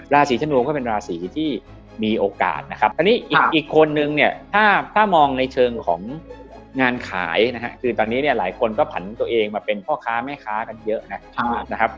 ราศีธนูก็เป็นราศีที่มีโอกาสนะครับอันนี้อีกคนนึงเนี่ยถ้ามองในเชิงของงานขายนะฮะคือตอนนี้เนี่ยหลายคนก็ผันตัวเองมาเป็นพ่อค้าแม่ค้ากันเยอะนะครับ